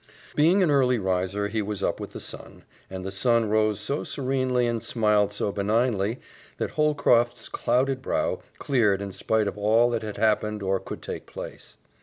Being an early riser he was up with the sun, and the sun rose so serenely and smiled so benignly that Holcroft's clouded brow cleared in spite of all that had happened or could take place.